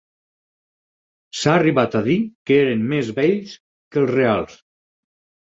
S'ha arribat a dir que eren més bells que els reals.